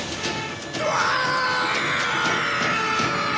うわ！